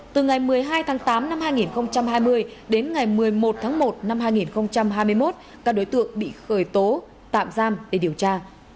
từ ngày một mươi hai tháng tám năm hai nghìn hai mươi đến ngày một mươi một tháng một năm hai nghìn hai mươi một các đối tượng bị khởi tố tạm giam để điều tra